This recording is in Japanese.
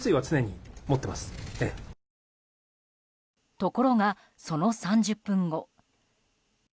ところが、その３０分後。